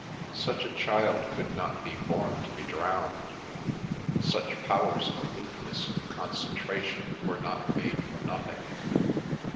Such a child coulc not be born to be drowned ; such powers of aloofness an< concentration were not made for nothing!